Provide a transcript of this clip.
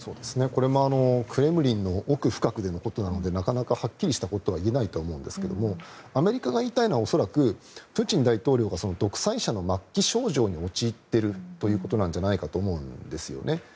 これも、クレムリンの奥深くのことなのでなかなかはっきりしたことは言えないと思うんですけどアメリカが言いたいのは恐らくプーチン大統領が独裁者の末期症状に陥っているということなんじゃないかと思うんですね。